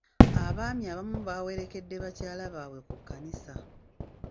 Abaami abamu baawerekedde bakyala baabwe ku kkanisa.